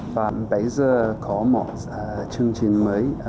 và bây giờ có một chương trình mới